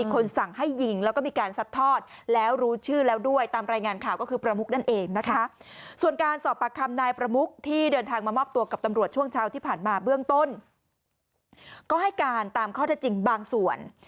ก็ให้การตามข้อเท่าจริงบางส่วน